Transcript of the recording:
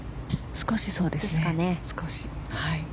少し、そうですかね。